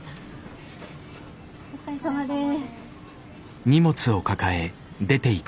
お疲れさまです。